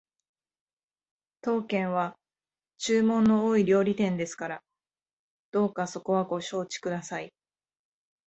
当軒は注文の多い料理店ですからどうかそこはご承知ください